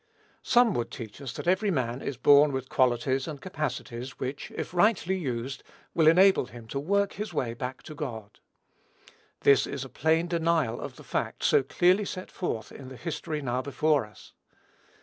Some would teach us that every man is born with qualities and capacities which, if rightly used, will enable him to work his way back to God. This is a plain denial of the fact so clearly set forth in the history now before us.